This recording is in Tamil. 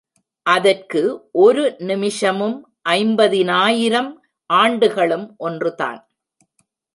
அதற்கு ஒரு நிமிஷமும் ஐம்பதினாயிரம் ஆண்டுகளும் ஒன்றுதான்.